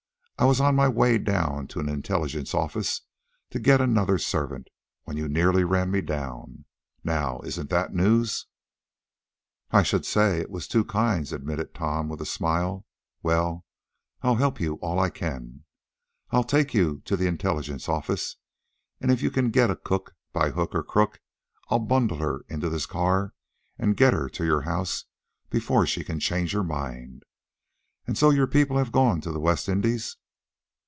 I was on my way down to an intelligence office, to get another servant, when you nearly ran me down! Now, isn't that news?" "I should say it was two kinds," admitted Tom, with a smile. "Well, I'll help you all I can. I'll take you to the intelligence office, and if you can get a cook, by hook or by crook, I'll bundle her into this car, and get her to your house before she can change her mind. And so your people have gone to the West Indies?"